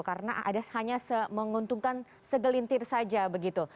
karena hanya menguntungkan segelintir saja begitu